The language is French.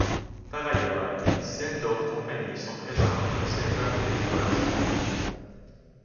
Par ailleurs, une dizaine d'autres compagnies sont présentes dans le secteur de l’exploration.